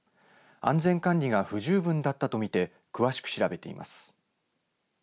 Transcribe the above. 安全管理が不十分だったと見て詳しく調べています。